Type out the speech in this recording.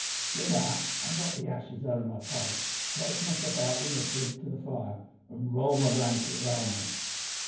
"Wi' that I knocked the ashes out o' my pipe, stretched myself out wi' my feet to the fire, an' rolled my blanket round me.